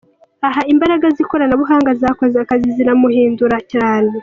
Aha imbaraga z’ikoranabunga zakoze akazi ziramuhindura cyane .